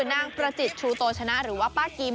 นางประจิตชูโตชนะหรือว่าป้ากิม